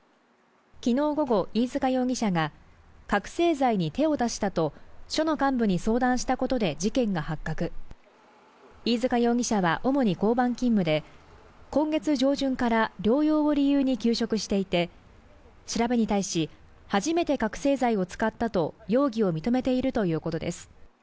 昨日午後飯塚容疑者が覚醒剤に手を出したと署の幹部に相談したことで事件が発覚飯塚容疑者は主に交番勤務で今月上旬から療養を理由に休職していて調べに対し初めて覚醒剤を使ったと容疑を認めているということです